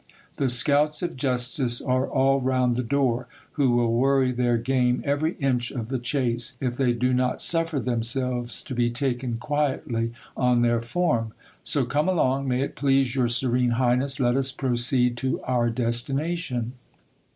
The scouts of justice are all round the door, who will worry their game every inch of the chase, if they do not suffer themselves to be taken quietly on their form. So come along, may it please your serene highness, let us proceed to our destin ation.